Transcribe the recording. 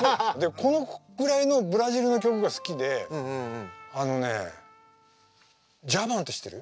このぐらいのブラジルの曲が好きであのねＤｊａｖａｎって知ってる？